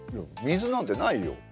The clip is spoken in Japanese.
水なんてないよ。